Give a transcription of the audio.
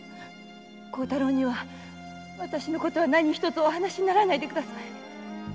孝太郎にはわたしのことは何ひとつお話にならないでください！